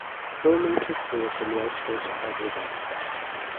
Filming took place in the outskirts of Hyderabad.